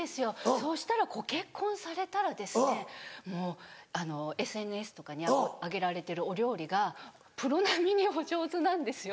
そうしたらご結婚されたらもうＳＮＳとかに上げられてるお料理がプロ並みにお上手なんですよ。